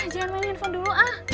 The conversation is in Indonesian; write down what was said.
jangan menelepon dulu ah